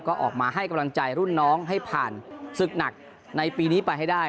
ก็ออกมาให้กำลังใจรุ่นน้องให้ผ่านศึกหนักในปีนี้ไปให้ได้